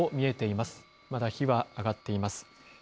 まだ火は上がっています。